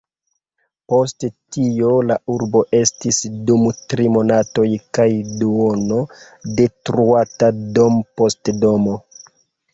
Post tio la urbo estis dum tri monatoj kaj duono detruata dom' post domo.